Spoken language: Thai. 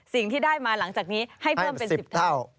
สิ่งที่ได้มาหลังจากนี้ให้เพิ่มเป็น๑๐เท่า